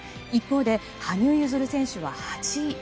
一方で羽生結弦選手は８位。